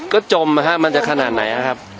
ก็จมนะคะมันจะขนาดไหน